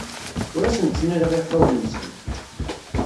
Ur asen-ttnaleɣ iɣfawen-nsen.